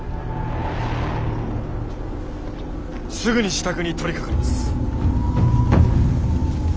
すぐに支度に取りかかります。